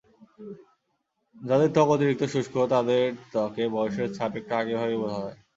যাঁদের ত্বক অতিরিক্ত শুষ্ক, তাঁদের ত্বকে বয়সের ছাপ একটু আগেভাগেই বোঝা যায়।